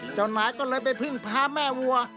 เจ้านายก็เลยไปพึ่งพาแม่วัว